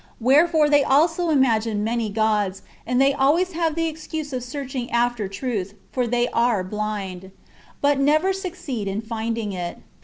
Where fore they also imagine many gods, and they always have the excuse of searching [after truth] (for they are blind), but never succeed in finding it.